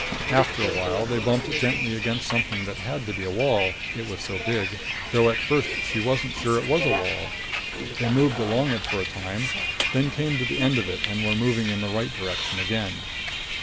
After a while, they bumped gently against something that had to be a wall, it was so big, though at first she wasn't sure it was a wall. They moved along it for a time, then came to the end of it and were moving in the right direction again.